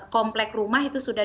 komplek rumah itu sudah